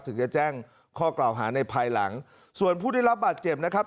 ถึงจะแจ้งข้อกล่าวหาในภายหลังส่วนผู้ได้รับบาดเจ็บนะครับ